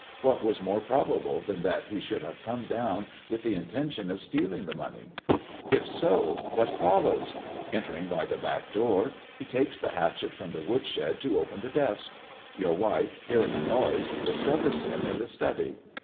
What was more probable than that he should have come down with the intention of stealing the money 1 If so, what follows 1 Entering by the back door, he takes the hatchet from the wood shed to open the desk. Your wife, hearing a noise, iiscovers him in the study.